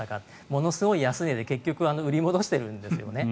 ものすごい安値で結局、売り戻してるんですね。